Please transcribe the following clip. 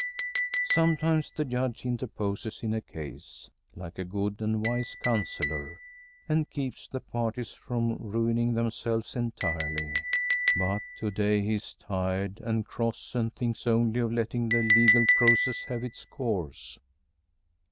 Sometimes the Judge interposes in a case, like a good and wise counsellor, and keeps the parties from ruining themselves entirely. But to day he is tired and cross and thinks only of letting the legal process have its course.